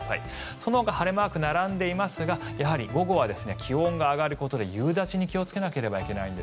そのほか晴れマークが並んでいますがやはり午後は気温が上がることで夕立に気をつけなければいけません。